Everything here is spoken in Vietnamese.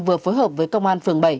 vừa phối hợp với công an phường bảy